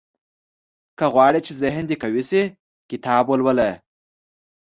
• که غواړې ذهن دې قوي شي، کتاب ولوله.